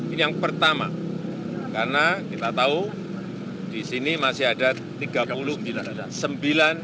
ini yang pertama karena kita tahu di sini masih ada tiga puluh sembilan